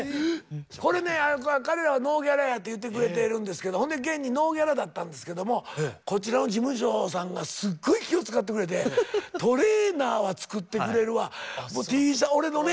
これね彼らはノーギャラやって言うてくれてるんですけどほんで現にノーギャラだったんですけどもこちらの事務所さんがすっごい気を遣ってくれてトレーナーは作ってくれるわ俺のね。